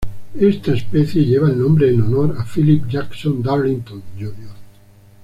Esta especie lleva el nombre en honor a Philip Jackson Darlington Jr.